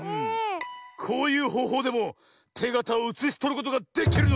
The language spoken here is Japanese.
こういうほうほうでもてがたをうつしとることができるのだ。